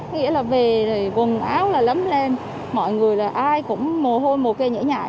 nghĩa là về thì quần áo là lấm lên mọi người là ai cũng mồ hôi mồ kè nhảy nhảy